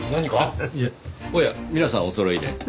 おや皆さんおそろいで。